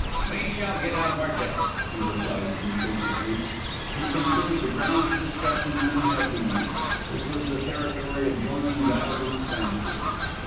"We shall get out of our depth," he replied conclusively. He considered the ground of discussion an unhealthy one; this was the territory adjoining that of insanity.